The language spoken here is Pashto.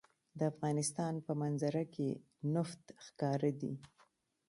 د افغانستان په منظره کې نفت ښکاره دي.